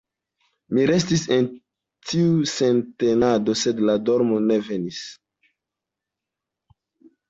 Mi restis en tiu sintenado, sed la dormo ne venis.